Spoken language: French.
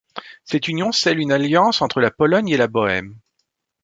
Cette union scelle une alliance entre la Pologne et la Bohême.